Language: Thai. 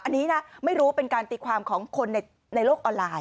อันนี้นะไม่รู้เป็นการตีความของคนในโลกออนไลน